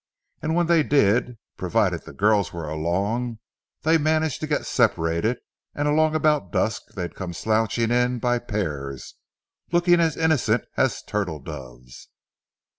And when they did, provided the girls were along, they managed to get separated, and along about dusk they'd come slouching in by pairs, looking as innocent as turtle doves.